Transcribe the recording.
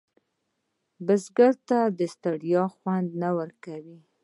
بزګر ته ستړیا خوند نه ورکوي